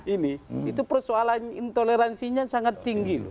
ini itu persoalan intoleransinya sangat tinggi loh